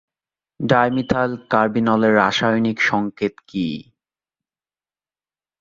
Dimethyl কার্বিনলের রাসায়নিক সংকেত কী?